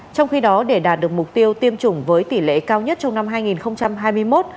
trong khi đó để đạt được mục tiêu tiêm chủng với tỷ lệ cao nhất trong năm hai nghìn hai mươi một